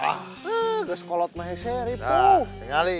wah ke sekolah mahisnya ribu